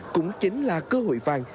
cũng chính là cơ hội vàng